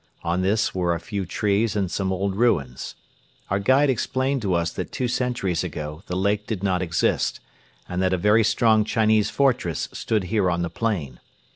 On this were a few trees and some old ruins. Our guide explained to us that two centuries ago the lake did not exist and that a very strong Chinese fortress stood here on the plain.